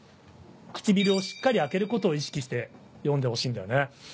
唇をしっかり開けることを意識して読んでほしいんだよね。